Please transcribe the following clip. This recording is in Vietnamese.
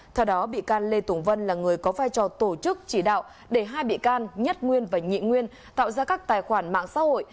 theo đó bị can lê tùng vân là người có vai trò tổ chức chỉ đạo để hai bị can nhất nguyên và nhị nguyên tạo ra các tài khoản mạng xã hội